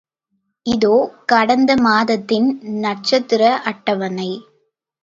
இதோ கடந்தமாதத்தின் நட்சத்திர அட்டவணை.